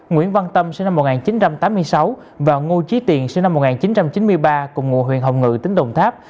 nguyễn văn tâm sinh năm một nghìn chín trăm tám mươi sáu và ngô trí tiền sinh năm một nghìn chín trăm chín mươi ba cùng ngụ huyện hồng ngự tỉnh đồng tháp